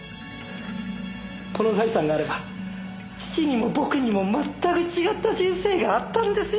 この財産があれば父にも僕にも全く違った人生があったんですよ。